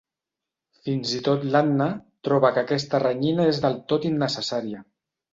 Fins i tot l'Anna troba que aquesta renyina és del tot innecessària.